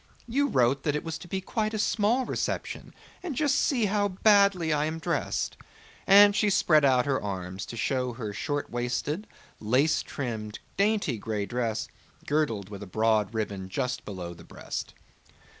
"You wrote that it was to be quite a small reception, and just see how badly I am dressed." And she spread out her arms to show her short waisted, lace trimmed, dainty gray dress, girdled with a broad ribbon just below the breast.